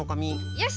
よし！